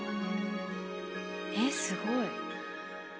えっすごい。